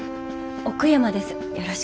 奥山です。